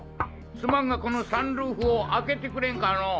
すまんがこのサンルーフを開けてくれんかのぉ！